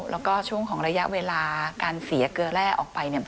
แล้วก็ช่วงของระยะเวลาการเสียเกลือแร่ออกไปเนี่ย